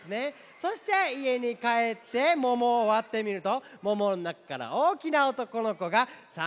そしていえにかえってももをわってみるともものなかからおおきなおとこのこが３にんうまれました。